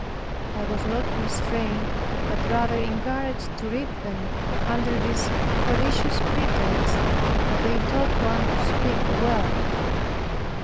I was not restrained, but rather encouraged to read them under this fallacious pretext, that they taught one to speak well.